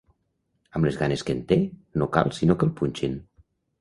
Amb les ganes que en té, no cal sinó que el punxin.